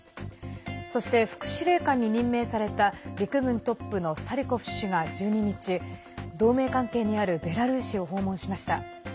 そして、副司令官に任命された陸軍トップのサリュコフ氏が１２日、同盟関係にあるベラルーシを訪問しました。